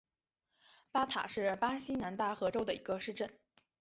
马塔是巴西南大河州的一个市镇。